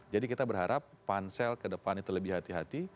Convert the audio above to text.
jadi kita berharap pansel ke depan itu lebih hati hati